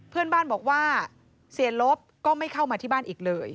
เพื่อนบ้านบอกว่าเสียลบก็ไม่เข้ามาที่บ้านอีกเลย